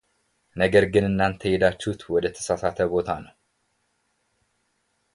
ነገር ግን እናንተ የሄዳችሁት ወደ ተሳሳተ ቦታ ነው፡፡